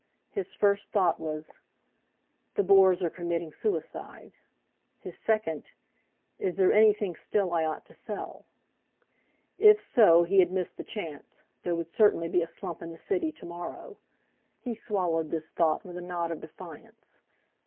His first thought was: "The Boers are committing suicide." His second: "Is there anything still I ought to sell?" If so he had missed the chance—there would certainly be a slump in the city to morrow. He swallowed this thought with a nod of defiance.